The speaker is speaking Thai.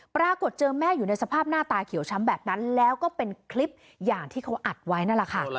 ปรากฏเจอแม่อยู่ในสภาพหน้าตาเขียวช้ำแบบนั้นแล้วก็เป็นคลิปอย่างที่เขาอัดไว้นั่นแหละค่ะ